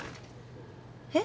えっ？